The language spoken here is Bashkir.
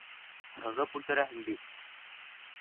Һығып үлтерәһең бит!